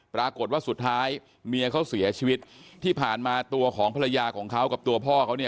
ปรากฏว่าสุดท้ายเมียเขาเสียชีวิตที่ผ่านมาตัวของภรรยาของเขากับตัวพ่อเขาเนี่ย